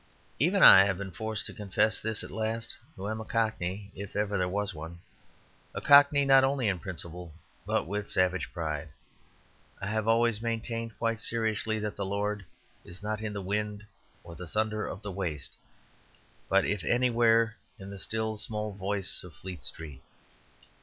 Even I have been forced to confess this at last, who am a Cockney, if ever there was one, a Cockney not only on principle, but with savage pride. I have always maintained, quite seriously, that the Lord is not in the wind or thunder of the waste, but if anywhere in the still small voice of Fleet Street.